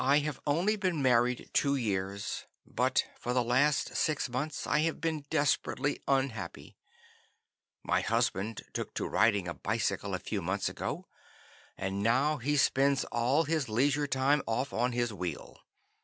"I have only been married two years, but for the last six months I have been desperately unhappy. My husband took to riding a bicycle a few months ago, and now he spends all his leisure time off on his wheel.